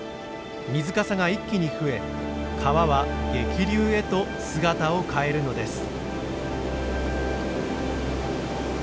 水かさが一気に増え川は激流へと姿を変えるのです。